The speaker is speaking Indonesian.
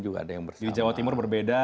juga ada yang bersih di jawa timur berbeda